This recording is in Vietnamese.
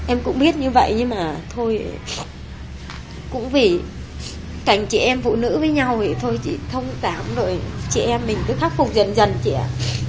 em cũng biết như vậy nhưng mà thôi cũng vì cảnh chị em phụ nữ với nhau thì thôi chị thông cảm rồi chị em mình cứ khắc phục dần dần chị ạ